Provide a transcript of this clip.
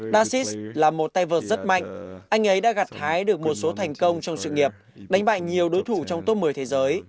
nasis là một tay vợt rất mạnh anh ấy đã gặt hái được một số thành công trong sự nghiệp đánh bại nhiều đối thủ trong top một mươi thế giới